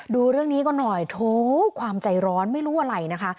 ดูเรื่องนี้ก็หน่อยโถความใจร้อนไม่รู้อะไรนะคะ